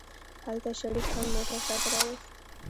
هلته شريف هم موټر شاته راوست.